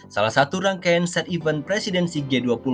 salah satu rangkaian set event presidensi g dua puluh